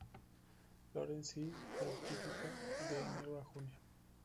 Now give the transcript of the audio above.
Florece y fructifica de enero a junio.